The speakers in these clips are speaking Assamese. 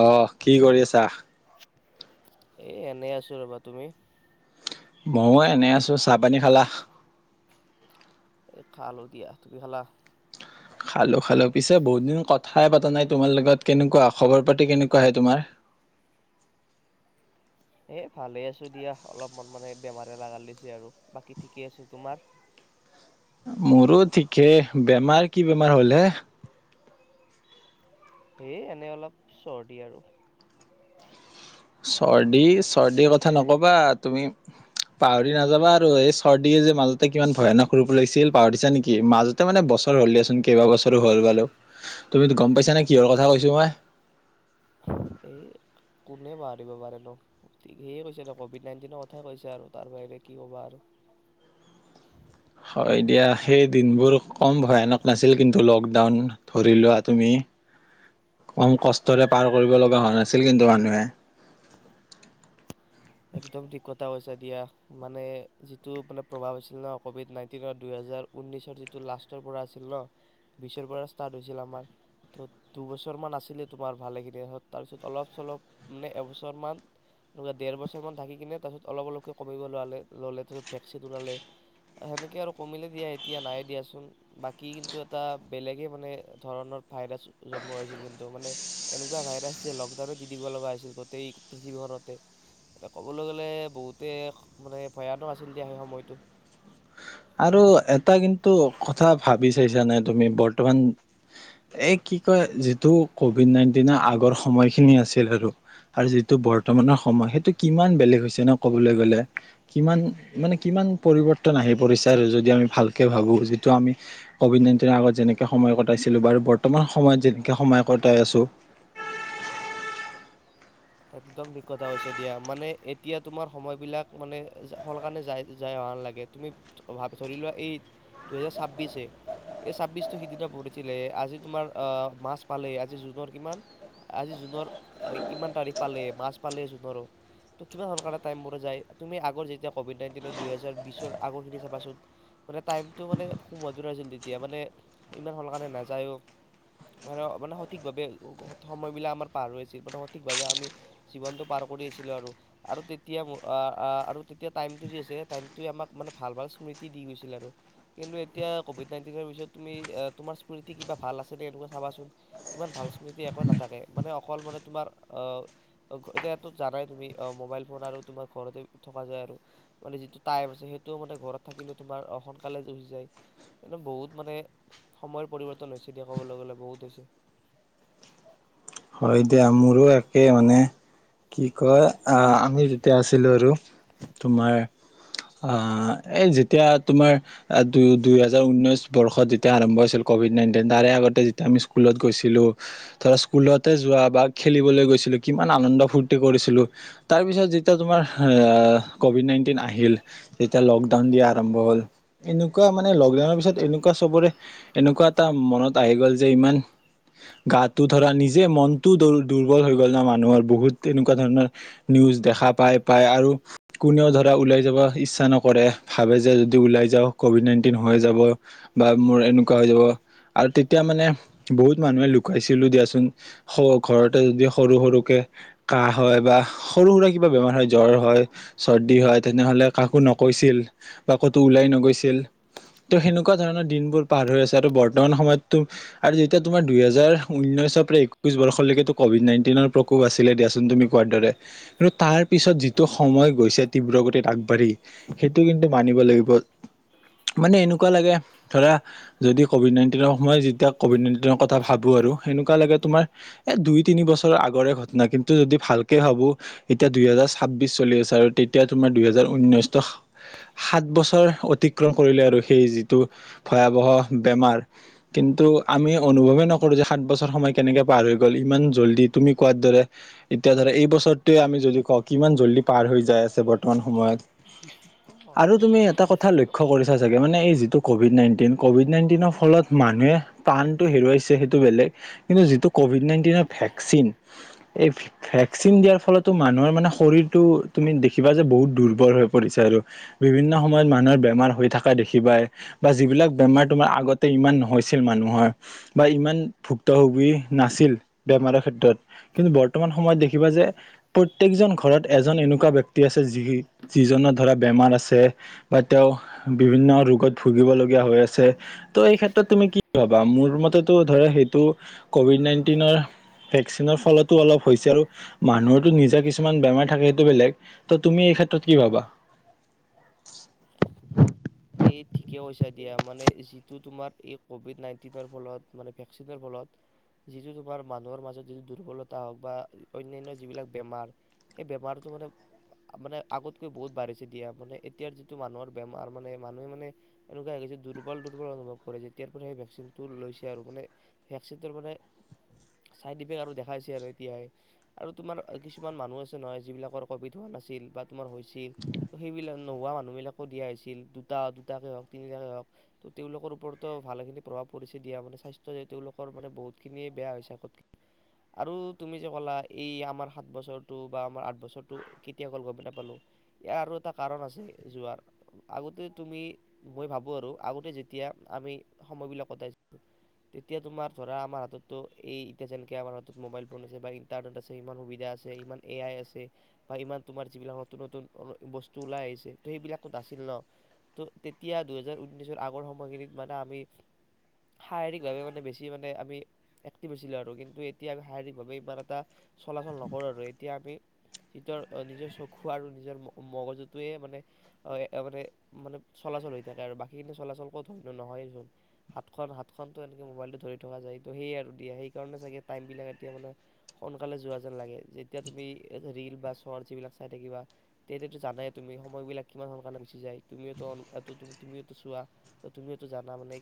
আহ কি কৰি আছা? এ এনেই আছো ৰ'বা। তুমি? মইয়ো এনে আছো। চাহপানী খালা? এ খালো দিয়া। তুমি খালা? খালো খালো। পিছে বহুত দিন কথাই পাতা নাই তোমাৰ লগত, কেনেকুৱা খবৰ পাতি কেনেকুৱা হয় তোমাৰ? এ ভালে আছো দিয়া, অলপমান মানে বেমাৰে লগাল দিছে আৰু, বাকী ঠিকে আছো। তোমাৰ? মোৰো ঠিকে, বেমাৰ কি বেমাৰ হ'ল হে? এ এনেই অলপ চৰ্দি আৰু। চৰ্দি চৰ্দিৰ কথা নকবা, তুমি পাহৰি নাযাবা আৰু এই চৰ্দিয়ে যে মাজতে কিমান ভয়ানক ৰূপ লৈছিল পাহৰিছা নেকি? মাজতে মানে বছৰ হ'ল দিয়াচোন কেইবা বছৰো হ'ল বাৰু তুমিতো গ'ম পাইছা নে কিহৰ কথা কৈছো মই? এ কোনে পাহৰিব পাৰে নো? ঠিক সিয়ে কৈছে কভিড নাইনটিনৰ কথাই কৈছে আৰু তাৰ বাহিৰে কি ক'বা আৰু। হয় দিয়া, সেই দিনবোৰ ক'ম ভয়ানক নাছিল কিন্তু, লকডাউন ধৰি লোৱা তুমি কম কষ্টৰে পাৰ কৰিব লগা হোৱা নাছিল কিন্তু মানুহে। একদম থিক কথা কৈছা দিয়া, মানে যিটো মানে প্ৰভাৱ আছিল ন, ক'ভিড নাইনটিনৰ দুইহেজাৰ ঊনৈশৰ যিটো লাষ্টৰ পৰা আছিল ন, বিশৰ পৰা ষ্টাৰ্ট হৈছিল আমাৰ। ত' দুবছৰ মান আছিলে তোমাৰ ভালেখিনি তাৰপিছত অলপ চলপ মানে এবছৰমান [unintelligible] দেৰ বছৰ বছৰমান থাকি কিনে তাৰপছত অলপ অলপকে কমিব লোৱালে, ল'লে, তাৰছত ভেকচিন ওলালে, সেনেকে আৰু কমিলে দিয়া এতিয়া নাই দিয়াচোন। বাকী কিন্তু এটা বেলেগে মানে ধৰণৰ ভাইৰাছ জন্ম হৈছিল কিন্তু মানে এনেকুৱা ভাইৰাছ যে লকডাউনে দি দিব লগা হৈছিল গোটেই পৃথিৱীখনতে এতিয়া ক'বলৈ গ'লে বহুতে মানে ভয়ানক আছিল দা সেই সময়টো আৰু এটা কিন্তু কথা ভাবি চাইছানে তুমি, বৰ্তমান এ কি কয়, যিটো ক'ভিড নাইনটিনৰ আগৰ সময়খিনি আছিল আৰু, আৰু যিটো বৰ্তমানৰ সময়, সেইটো কিমান বেলেগ হৈছে নো কবলৈ গলে? কিমান মানে কিমান পৰিবৰ্তন আহি পৰিছে আৰু যদি আমি ভালকে ভাবো, যিটো আমি কভিড নাইণ্টিনৰ আগত যেনেকে সময় কটাইছিলো বাৰু, বৰ্তমান সময়ত যেনেকে সময় কটাই আছোঁ একদম থিক কথা হৈছে দিয়া, মানে এতিয়া তোমাৰ সময় বিলাক মানে সোনকালে যাৱা হেন লাগে, তুমি ভাব- ধৰি লোৱা এই, দুহেজাৰ ছাব্বিশে, এই ছাব্বিশটো সিদিনা [unintelligible] আজি তোমাৰ আহ মাজ পালে, আজি জুনৰ কিমান, আজি জুনৰ ইমান তাৰিখ পালে, মাজ পালে জুনৰো। ত' কিমান সোনকালে টাইমবোৰ যায়। তুমি আগৰ যেতিয়া ক'ভিড নাইনটিনৰ দুইহেজাৰ বিছৰ আগৰখিনি চাবাচোন, মানে টাইমটো মানে [unintelligible] তেতিয়া, মানে ইমান সোনকালে নাযায়ো, মানে- মানে সঠিকভাৱে সময়বিলাক আমাৰ পাৰ হৈ আছিল, মানে সঠিকভাৱে আমি জীৱনটো পাৰ কৰি আছিলোঁ আৰু। আৰু তেতিয়া আ, আ আৰু তেতিয়া টাইমটো যে আছে, টাইমটোৱে আমাক মানে ভাল ভাল স্মৃতি দি গৈছিল আৰু। কিন্তু এতিয়া কভিড নাইনটিনৰ পিছত তুমি তোমাৰ স্মৃতি কিবা ভাল আছে নে এনেকুৱা চাবাচোন, ইমান ভাল স্মৃতি একোৱে নাথাকে। মানে অকল মানে তোমাৰ অ' এতিয়াতো জানাই তুমি, অ মোবাইল ফোন আৰু তোমাৰ ঘৰতে থকা যায় আৰু। মানে যিটো টাইম আছে সেইটো মানে ঘৰত থাকিলে তোমাৰ সোনকালে গুচি যায়। একদম বহুত মানে সময়ৰ পৰিৱৰ্তন হৈছে দিয়া কবলৈ গলে বহুত হৈছে। হয় দিয়া মোৰো একে মানে, কি কয় আমি যেতিয়া আছিলোঁ আৰু তোমাৰ, এই যেতিয়া তোমাৰ দু দুইহেজাৰ উনৈছ বৰ্ষত যেতিয়া আৰম্ভ হৈছিল ক'ভিড নাইণ্টিন, তাৰে আগতে যেতিয়া আমি স্কুলত গৈছিলোঁ, ধৰা স্কুলত যোৱা বা খেলিবলৈ গৈছিলো, কিমান আনন্দ ফূৰ্তি কৰিছিলোঁ, তাৰ পিছত যেতিয়া তোমাৰ আহ কভিড নাইনটিন আহিল, যেতিয়া লকডাউন দিয়া আৰম্ভ হ'ল, এনেকুৱা মানে লকডাউনৰ পিছত এনেকুৱা চবৰে, এনেকুৱা এটা মনত আহি গল যে ইমান গাটো ধৰা নিজ যে মনটো দু দুৰ্বল হৈ গ'ল ন মানুহৰ বহুত তেনেকুৱা ধৰণৰ নিউজ দেখা পায় পায় আৰু কোনেও ধৰা ওলাই যাব ইচ্ছা নকৰে ভাবে যে যদি ওলাই যাওঁ ক'ভিড নাইণ্টিন হৈ যাব বা মোৰ এনেকুৱা হৈ যাব আৰু তেতিয়া মানে বহুত মানুহে লুকাইছিলোঁ দিয়াচোন স ঘৰতে যদি সৰু সৰুকে কাহ হয় বা সৰু সুৰা কিবা বেমাৰ হয়, জ্বৰ হয়, চৰ্দি হয়, তেনেহলে কাকো নকৈছিল বা ক'তো ওলাই নগৈছিল, ত' সেনেকুৱা ধৰণৰ দিনবোৰ পাৰ হৈ আছে আৰু বৰ্তমান সময়ত তো আৰু যেতিয়া তোমাৰ দুইহেজাৰ ঊনৈশৰ পৰা এক কৈছ বৰ্ষলৈকেতো কভিড নাইণ্টিনৰ প্ৰকোপ আছিলে দিয়াচোন তুমি কোৱাৰ দৰে, আৰু তাৰ পিছত যিটো সময় গৈছে তীব্ৰ গতিত আগবাঢ়ি, সেইটো কিন্তু মানিব লাগিব। মানে এনেকুৱা লাগে ধৰা যদি কভিড নাইণ্টিনৰ সময় যেতিয়া কভিড নাইণ্টিনৰ কথা ভাবো আৰু, এনেকুৱা লাগে তোমাৰ এ দুই তিনি বছৰৰ আগৰে ঘটনা, কিন্তু যদি ভালকে ভাবো এতিয়া দুইহেজাৰ ছাব্বিশ চলি আছে আৰু তেতিয়া তোমাৰ দুইহেজাৰ ঊনৈশ, ত' সাত বছৰ অতিক্ৰম কৰিলে আৰু সেই যিটো ভয়াৱহ বেমাৰ, কিন্তু আমি অনুভৱেই নকৰো যে সাত বছৰ সময় কেনেকে পাৰ হৈ গ'ল ইমান জল্দি তুমি কোৱাৰ দৰে। এতিয়া ধৰা এই বছৰটোৱে আমি যদি কওঁ কিমান জল্দি পাৰ হৈ যাই আছে বৰ্তমান সময়ত। ঋষিকৰ আৰু তুমি এটা কথা ঋষিক লক্ষ্য কৰিছা চাগে, মানে এই যিটো ক'ভিড নাইন টিন, ক'ভিড নাইণ্টিনৰ ফলত মানুহে প্ৰাণটো হেৰুৱাইছে সেইটো বেলেগ কিন্তু যিটো ক'ভিড নাইণ্টিনৰ ভেকচিন, এই ভেকচিন দিয়াৰ ফলতো মানুহৰ মানে শৰীৰটো তুমি দেখিবা যে বহুত দুৰ্বল হৈ পৰিছে আৰু, বিভিন্ন সময়ত মানুহৰ বেমাৰ হৈ থকা দেখিবাই বা যিবিলাক বেমাৰ তোমাৰ আগতে ইমান নহৈছিল মানুহৰ বা ইমান ভুক্তভোগী নাছিল, বেমাৰৰ ক্ষেত্ৰত। কিন্তু বৰ্তমান সময়ত দেখিবা যে প্ৰত্যেকজন ঘৰত এজন এনেকুৱা ব্যক্তি আছে, যি যিজনৰ ধৰা বেমাৰ আছে, বা তেওঁ বিভিন্ন ৰোগত ভুগিবলগীয়া হৈ আছে, ত' এই ক্ষেত্ৰত তুমি কি ভাবা? মোৰ মতেতো ধৰা সেইটো ক'ভিড নাইণ্টিনৰ ভেকচিনৰ ফলত অলপ হৈছে আৰু মানুহৰো নিজা কিছুমান বেমাৰ থাকে সেইটো বেলেগ। ত তুমি এই ক্ষেত্ৰত কি ভাবা? এই ঠিকেই কৈছা দিয়া। মানে যিটো তোমাৰ এই ক'ভিড নাইণ্টিনৰ ফলত মানে ভেকচিনৰ ফলত যিটো তোমাৰ মানুহৰ মাজত যিটো দুৰ্বলতা হওক বা অন্যান্য যিবিলাক বেমাৰ সেই বেমাৰটো মানে মানে আগতকৈ বহুত বাঢ়িছে দিয়া। মানে এতিয়াৰ যিটো মানুহৰ বেমাৰ মানে মানুহে মানে এনেকুৱা হৈ গৈছে দুৰ্বল দু-দুৰ্বল অনুভৱ কৰে যেতিয়াৰ পৰা সেই ভেকচিনটো লৈছে আৰু। মানে ভেকচিনৰ পৰা চাইডইফেক্ট আৰু দেখাইছে আৰু এতিয়াই আৰু তোমাৰ কিছুমান মানুহ আছে নহয় যিবিলাকৰ কভিড হোৱা নাছিল বা তোমাৰ হৈ ছিল, ত সেইবিলাক নোহোৱা মানুহ বিলাকো দিয়া হৈছিল দুটা-দুটাকে হওক তিনিটাকে হওক ত তেওঁলোকৰ ওপৰতো ভালেখিনি প্ৰভাৱ পৰিছে দিয়া মানে স্বাস্থ্য যে তেওঁলোকৰ মানে বহুতখিনিয়ে বেয়া হৈছে আগতকে। আৰু তুমি যে ক'লা এই আমাৰ সাত বছৰটো বা আমাৰ আঠ বছৰটো কেতিয়া গ'ল গমে নাপালো ইয়াৰ আৰু এটা কাৰণ আছে যোৱাৰ আগতে তুমি মই ভাবোঁ আৰু আগতে যেতিয়া আমি সময়বিলাক কটাইছিলোঁ তেতিয়া তোমাৰ ধৰা আমাৰ হাততো এই এতিয়া যেনেকৈ আমাৰ হাতত মোবাইল ফোন আছে বা ইণ্টাৰনেট আছে ইমান সুবিধা আছে ইমান এ আই আছে বা ইমান তোমাৰ যিবিলাক নতুন নতুন বস্তু ওলাই আহিছে তো সেইবিলাকতোত নাছিল ন। ত' তেতিয়া দুহেজাৰ উনৈশৰ আগৰ সময়খিনিত মানে আমি শাৰীৰিক ভাৱে মানে বেছি মানে আমি এক্টিভ আছিলো আৰু কিন্তু এতিয়া আমি শাৰীৰিকভাৱে ইমান এটা চলাচল নকৰোঁ আৰু এতিয়া আমি নিজৰ নিজৰ চকু আৰু নিজৰ মগজুটয়ে মানে- মানে মানে চলাচল হৈ থাকে আৰু বাকীখিনি চলাচলকো ধৰিনো নহয়োন হাতখন- হাতখনতো এনেকৈ মোবাইলটো ধৰি থকা যায় তো সেয়ে আৰু দিয়ে সেইকাৰণে চাগে টাইমবিলাক এতিয়া মানে সোনকালে যোৱা যেন লাগে, যেতিয়া তুমি ৰিল বা শ্বৰ্ট যিবিলাক চাই থাকিবা তেতিয়াতো জানাই তুমি সময়বিলাক কিমান সোনকালে গুচি যায়। তুমিওো তুমিওতো চোৱা তুমিওতো জানা মানে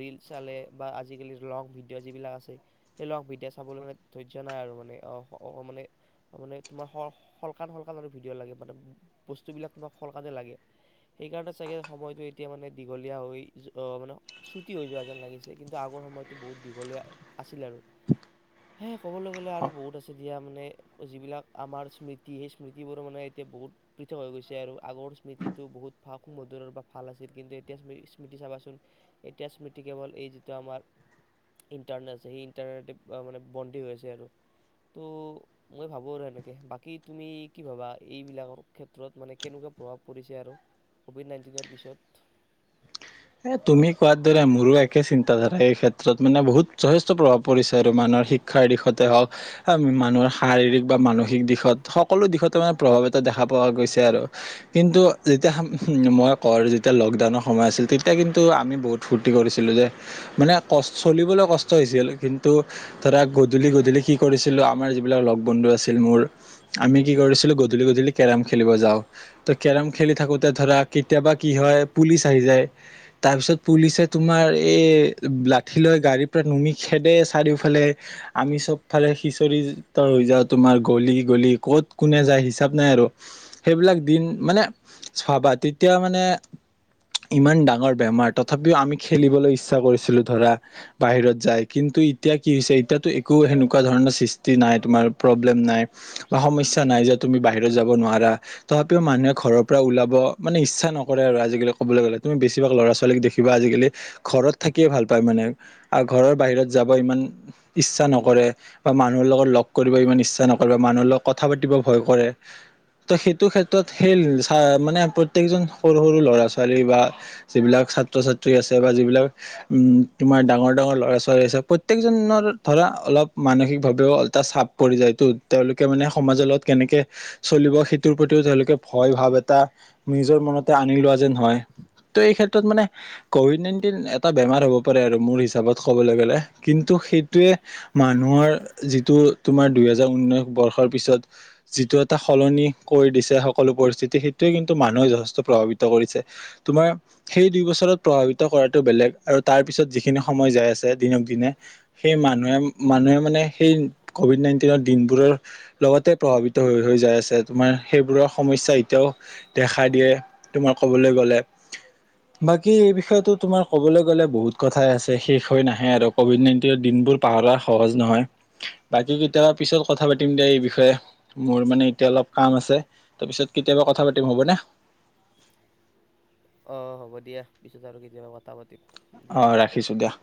ৰিল চালে বা আজিকালি লং ভিডিঅ' যিবিলাক আছে সেই লং ভিডিঅ' চাবলৈ মানে ধৈৰ্য্য নাই আৰু মানে মানে মানে তোমাৰ সলকান শলকান আৰু ভিডিঅ' লাগে মানে বস্তুবিলাক তোমাক সলকানে লাগে সেইকাৰণে চাগে সময়টো এতিয়া মানে দীঘলীয়া হৈ মানে চুটি হৈ যোৱা যেন লাগিছে, কিন্তু আগৰ সময়টো বহুত দীঘলীয়া আছিল আৰু সেয়েহে ক'বলৈ গ'লে আৰু বহুত আছিল সেয়া মানে যিবিলাক আমাৰ স্মৃতি সেই স্মৃতিবোৰ মানে এতিয়া বহুত পৃথক হৈ গৈছে আৰু আগৰ স্মৃতিটো বহুত। সু - মধুৰৰ বা ভাল আছিল কিন্তু এতিয়া স্মৃতি চাবাচোন এতিয়া স্মৃতি কেৱল এই যিটো আমাৰ ইণ্টাৰনেট আছে সেই ইণ্টাৰনেট মানে বন্দি হৈ আছে আৰু ত' মই ভাবোঁ আৰু সেনেকে বাকী তুমি কি ভাবা এইবিলাকৰ ক্ষেত্ৰত মানে কেনেকুৱা প্ৰভাৱ পৰিছে আৰু। ক'ভিড নাইণ্টিনৰ পিছত। এ' তুমি কোৱাৰ দৰে মোৰো একে চিন্তাধাৰা এই ক্ষেত্ৰত মানে বহুত যথেষ্ট প্ৰভাৱ পৰিছে আৰু মানুহৰ শিক্ষাৰ দিশতে হওক মানুহৰ শাৰীৰিক বা মানসিক দিশত সকলো দিশতে মানে প্ৰভাৱ এটা দেখা পোৱা গৈছে আৰু কিন্তু যেতিয়া মই কওঁ যেতিয়া লকডাউনৰ সময় আছিল। এতিয়া কিন্তু আমি বহুত ফূৰ্তি কৰিছিলোঁ যে মানে ক চলিবলৈ কষ্ট হৈছিল কিন্তু ধৰা গধূলি- গধূলি কি কৰিছিলোঁ আমাৰ যিবিলাক লগ বন্ধু আছিল মোৰ আমি কি কৰিছিলোঁ গধূলি - গধূলি কেৰম খেলিব যাওঁ তো কেৰম খেলি থাকোঁতে ধৰা কেতিয়াবা কি হয় পুলিচ আহি যায়। তাৰ পিছত পুলিচে তোমাৰ এই লাঠি লৈ গাড়ীৰ পৰা নুমি খেদে চাৰিওফালে আমি চবফালে সিঁচৰি হৈ যাওঁ তোমাৰ গলি গলি কত কোনে যায় হিচাপ নাই আৰু সেইবিলাক দিন মানে ভাবা তেতিয়া মানে ইমান ডাঙৰ বেমাৰ তথাপিও আমি খেলিবলৈ ইচ্ছা কৰিছিলো ধৰা বাহিৰত যায় কিন্তু এতিয়া কি হৈছে এতিয়াতো একো সেনেকুৱা ধৰণৰ সৃষ্টি নাই তোমাৰ প্ৰব্লেম নাই বা সমস্যা নাই যে তুমি বাহিৰত যাব নোৱাৰা তথাপিও মানুহে ঘৰৰ পৰা ওলাব মানে ইচ্ছা নকৰে আৰু আজিকালি ক'বলৈ গ'লে। তুমি বেছিভাগ ল'ৰা- ছোৱালীক দেখিবা আজিকালি ঘৰত থাকিয়ে ভাল পায় মানে আৰু ঘৰৰ বাহিৰত যাব ইমান ইচ্ছা নকৰে বা মানুহৰ লগত লগ কৰিব ইমান ইচ্ছা নকৰে বা মানুহৰ লগত কথা পাতিব ভয় কৰে ত' সেইটো ক্ষেত্ৰত সেই মানে প্ৰত্যেকজন সৰু- সৰু ল'ৰা ছোৱালী বা যি বিলাক ছাত্ৰ - ছাত্ৰী আছে বা যি বিলাক উম তোমাৰ ডাঙৰ- ডাঙৰ লৰা ছোৱালী আছে প্ৰত্যেকজনৰ ধৰা অলপ মানসিকভাৱেও এটা চাপ পৰি যায়টো তেওঁলোকে মানে সমাজৰ লগত কেনেকে চলিব সেইটোৰ প্ৰতিও তেওঁলোকে ভয় ভাৱ এটা নিজৰ মনতে আনি লোৱা যেন হয়। ত' এই ক্ষেত্ৰত মানে কভিড নাইনন্টিন এটা বেমাৰ হব পাৰে আৰু মোৰ হিচাপত কবলৈ গলে কিন্তু সেইটোৱে মানুহৰ যিটো তোমাৰ দুহেজাৰ উনৈশ বৰ্ষৰ পিছত যিটো এটা সলনি কৰি দিছে সকলো পৰিস্থিতি সেইটোৱে কিন্তু মানুহে যথেষ্ট প্ৰভাৱিত কৰিছে। তোমাৰ সেই দুই বছৰত প্ৰভাৱিত কৰাটো বেলেগ আৰু তাৰপিছত যিখিনি সময় যায় আছে দিনক দিনে সেই মানুহে- মানুহে মানে সেই ক'ভিড নাইণ্টিনৰ দিনবোৰৰ লগতে প্ৰভাৱিত হৈ হৈ যায় আছে তোমাৰ সেইবোৰৰ সমস্যা এতিয়াও দেখা দিয়ে তোমাৰ কবলৈ গলে। বাকী এই বিষয়টো তোমাৰ কবলৈ গলে বহুত কথাই আছে শেষ হৈ নাহে আৰু কভিড নাইনটিনৰ দিনবোৰ পাহৰা সহজ নহয় বাকী কেতিয়াবা পিছত কথা পাতিম দিয়া এই বিষয়ে মোৰ মানে এতিয়া অলপ কাম আছে তাৰ পিছত কেতিয়াবা কথা পাতিম হ'বনে? অ' হ'ব দিয়া পিছত আৰু কেতিয়াবা কথা পাতিম। দিয়া অ' ৰাখিছো দিয়া।